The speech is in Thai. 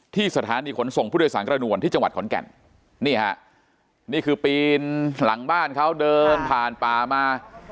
สถานีขนส่งผู้โดยสารกระนวลที่จังหวัดขอนแก่นนี่ฮะนี่คือปีนหลังบ้านเขาเดินผ่านป่ามา